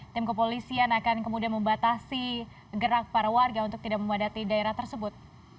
tim kepolisian akan kemudian membatasi gerak para warga untuk tidak memadati daerah tersebut